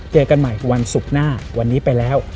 เจอกันใหม่วันศุกร์หน้าวันนี้ไปแล้ว